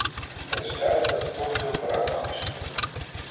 Het is duidelijk dat er toch veel vooruitgang is geboekt.